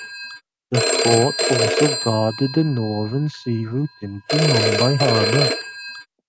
The fort also guarded the northern sea route into Mumbai Harbour.